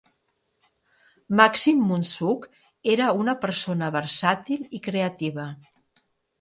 Maxim Munzuk era una persona versàtil i creativa.